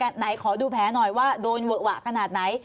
อย่างไหนขอดูแผลหน่อยว่าโดนเหวะขนาดไหน